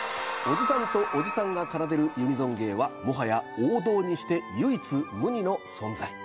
おじさんとおじさんが奏でるユニゾン芸はもはや王道にして唯一無二の存在。